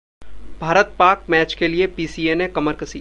भारत-पाक match के लिए PCA ने कमर कसी